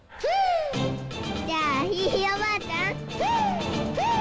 じゃあヒーヒーおばあちゃん。